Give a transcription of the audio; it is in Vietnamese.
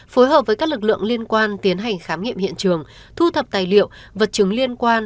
phối hợp với các lực lượng liên quan tiến hành khám nghiệm hiện trường thu thập tài liệu vật chứng liên quan